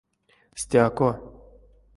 Стяко.